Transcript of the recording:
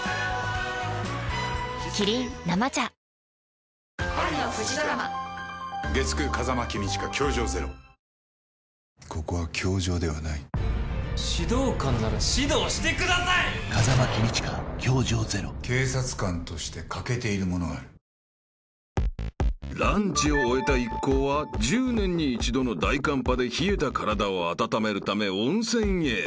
キリン「生茶」［ランチを終えた一行は１０年に一度の大寒波で冷えた体を温めるため温泉へ］